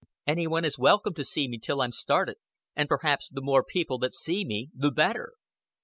Anybody is welcome to see me till I'm started, an' perhaps the more people that see me the better."